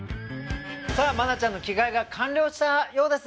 さあ真奈ちゃんの着替えが完了したようです